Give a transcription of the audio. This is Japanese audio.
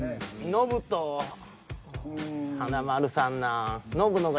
ノブと華丸さんなぁ。